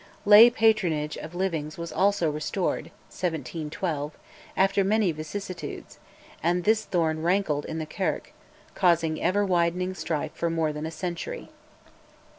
Lay patronage of livings was also restored (1712) after many vicissitudes, and this thorn rankled in the Kirk, causing ever widening strife for more than a century.